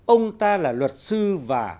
ông ta là luật sư và